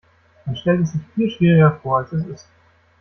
Man stellt es sich viel schwieriger vor, als es ist.